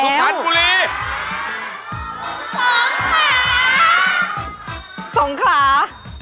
๒หมื่นขา